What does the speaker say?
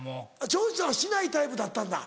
長州さんはしないタイプだったんだ？